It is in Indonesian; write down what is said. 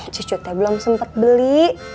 cucu teh belum sempat beli